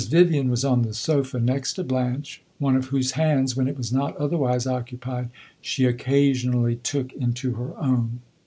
Vivian was on the sofa next to Blanche, one of whose hands, when it was not otherwise occupied, she occasionally took into her own.